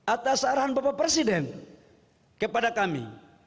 atas arahan bapak presiden kepada kami